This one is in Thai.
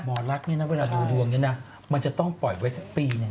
หมอลักษณ์เนี่ยนะเวลาดูดวงนี้นะมันจะต้องปล่อยไว้สักปีหนึ่ง